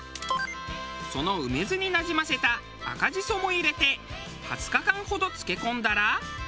その梅酢になじませた赤じそも入れて２０日間ほど漬け込んだら。